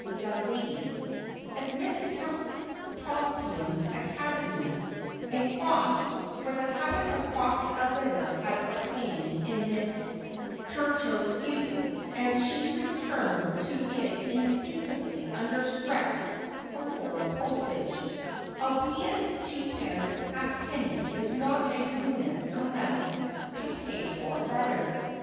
the young ladies at Miss Tompion's academy, and crossed — for the habit of crossing a letter had obtained in Mrs. Tur chill's youth, and she returned to it instinctively under stress of foreign postage, albeit twopence halfpenny is not a ruinous amount to pay for a letter.